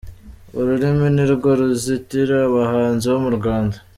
Ururimi ni rwo ruzitira abahanzi bo mu Rwanda